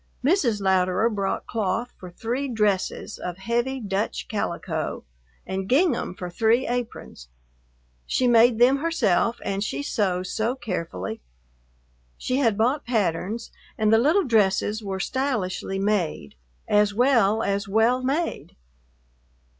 Mrs. Louderer brought cloth for three dresses of heavy Dutch calico, and gingham for three aprons. She made them herself and she sews so carefully. She had bought patterns and the little dresses were stylishly made, as well as well made.